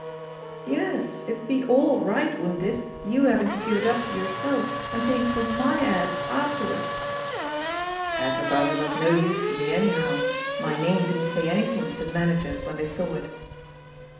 "Yes, it'd be aJl right, wouldn't it — ^you having^ to give it up yourself and paying for my ads afterwards." "Advertising was no use to me anyhow — my name didn't say anything to managers when they saw it."